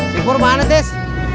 sempur mana tes